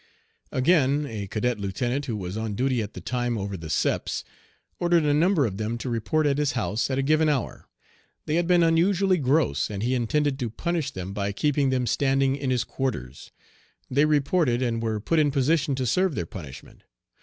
Again a cadet lieutenant, who was on duty at the time over the "Seps," ordered a number of them to report at his "house" at a given hour. They had been unusually gross, and he intended to punish them by keeping them standing in his quarters. They reported, and were put in position to serve their punishment.